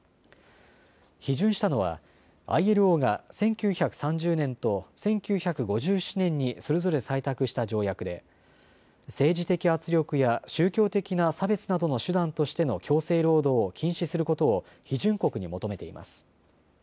批准したのはＩＬＯが１９３０年と１９５７年にそれぞれ採択した条約で政治的圧力や宗教的な差別などの手段としての強制労働を禁止することを批准国に求めています。